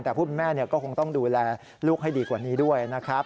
แต่ผู้เป็นแม่ก็คงต้องดูแลลูกให้ดีกว่านี้ด้วยนะครับ